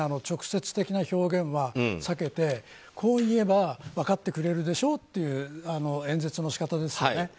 直接的な表現は避けてこう言えば分かってくれるでしょうっていう演説の仕方ですよね。